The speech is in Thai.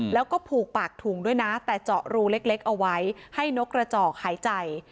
แล้วก็ผูกปากถุงด้วยนะแต่เจาะรูเล็กเอาไว้ให้นกกระจอกหายใจ